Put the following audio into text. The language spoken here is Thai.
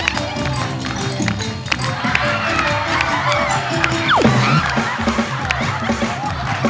ลองดูปะล่ะประดินกันกันไหมครับ